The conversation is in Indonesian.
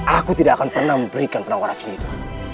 aku tidak akan pernah memberikan penawar racun itu